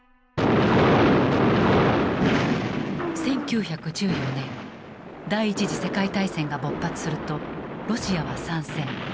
１９１４年第一次世界大戦が勃発するとロシアは参戦。